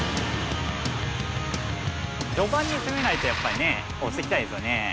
序盤に攻めないとやっぱりね押していきたいですよね。